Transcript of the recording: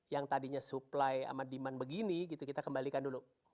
yang tadinya supply sama demand begini gitu kita kembalikan dulu